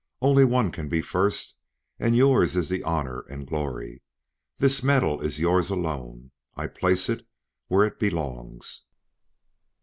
Only one can be the first; and yours is the honor and glory. This medal is yours alone; I place it where it belongs!"